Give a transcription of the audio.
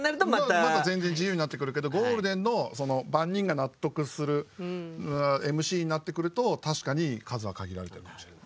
また全然自由になってくるけどゴールデンの万人が納得するＭＣになってくると確かに数は限られてるかもしれない。